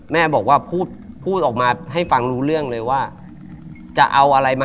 แม่บอกว่าพูดออกมาให้ฟังรู้เรื่องเลยว่า